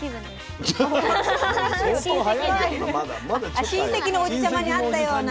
あっ親戚のおじちゃまに会ったような。